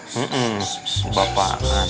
hmm hmm kebapaan